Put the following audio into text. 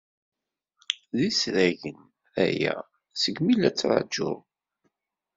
D isragen aya segmi la ttṛajuɣ.